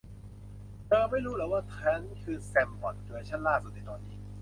เธอไม่รู้หรอว่าฉันคือแชทบอท เวอร์ชั่นล่าสุดในตอนนี้